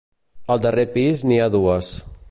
Al darrer pis n'hi ha dues.